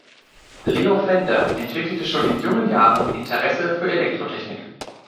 Leo Fender entwickelte schon in jungen Jahren Interesse für Elektrotechnik.